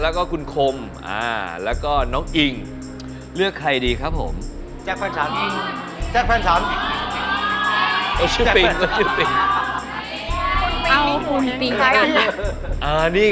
แล้วก็คุณคมแล้วก็น้องอิงเลือกใครดีครับผมแจ๊กแฟนชันแจ๊กแฟนชัน